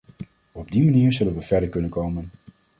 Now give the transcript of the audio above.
Op die manier zullen we verder kunnen komen.